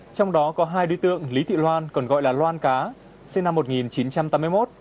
trong đó có hai đối tượng lý thị loan còn gọi là loan cá sinh năm một nghìn chín trăm tám mươi một